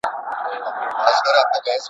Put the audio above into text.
بې نظمي په ټول چاپېريال واکمني کوي.